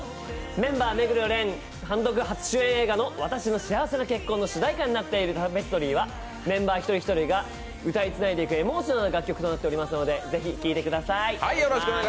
メンバー目黒蓮、単独初主演映画の「わたしの幸せな結婚」の主題歌にもなっている「タペストリー」はメンバー、一人一人が歌いつないでいくエモーショナルな楽曲となっておりますので、是非、聴いてください。